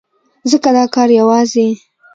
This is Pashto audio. ځکه دا کار يوازې